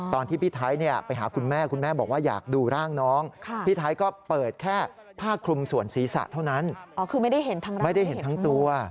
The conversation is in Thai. พี่ไทยไปหาคุณแม่คุณแม่บอกว่าอยากดูร่างน้องพี่ไทยก็เปิดแค่ผ้าคลุมส่วนศีรษะเท่านั้นอ๋อคือไม่ได้เห็นทั้งนั้นไม่ได้เห็นทั้งตัว